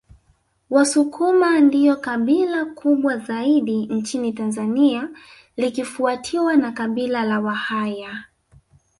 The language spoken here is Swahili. Wasukuma ndio kabila kubwa zaidi nchini Tanzania likifuatiwa na Kabila la Wahaya